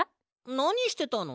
なにしてたの？